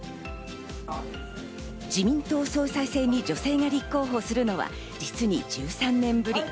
自民党総裁選に女性が立候補するのは実に１３年ぶり。